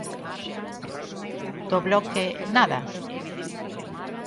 ¿Do Bloque, nada?